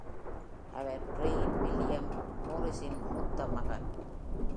அவர் ப்ரேயின் வில்லியம் நோரிஸின் மூத்த மகன்.